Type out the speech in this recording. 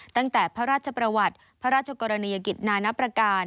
ตั้งแต่พระราชประวัติพระราชกรณียกิจนานประการ